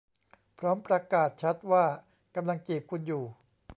พร้อมประกาศชัดว่ากำลังจีบคุณอยู่